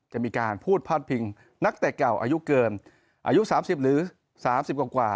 จะมีการพูดพัดพิงนักแตกเก่าอายุเกินอายุสามสิบหรือสามสิบกว่า